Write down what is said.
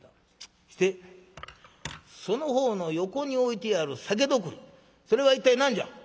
してその方の横に置いてある酒徳利それは一体何じゃ？」。